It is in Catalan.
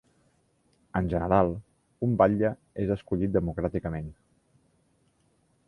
En general, un batlle és escollit democràticament.